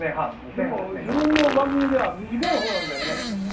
自分の番組では短い方なんだよね。